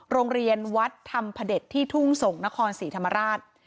โรงเรียนวัดธรรมพระเด็จที่ทุ่งส่งนครศรีธรรมราช